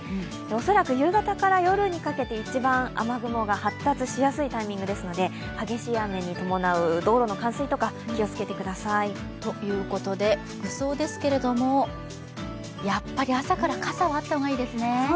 恐らく夕方から夜にかけて一番雨雲が発達しやすいので、激しい雨に伴う、道路の冠水とか気をつけてください。ということで、服装ですけれどもやっぱり朝から傘はあった方がよさそうですね？